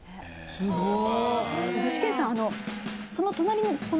すごい！